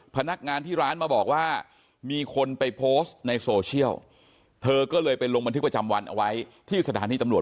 พนักงานที่ร้านมาบอกว่ามีคนไปโพสต์ในโซเชียลเธอก็เลยไปลงบันทึกประจำวันเอาไว้ที่สถานีตำรวจ